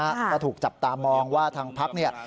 ก็ถูกจับตามองว่าทางพักเนี่ย